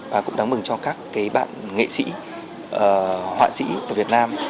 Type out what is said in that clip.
và cũng đáng mừng cho các bạn nghệ sĩ họa sĩ ở việt nam